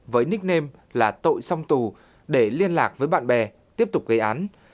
với nickname là tội song tù để liên lạc với bạn bè tiếp tục gây án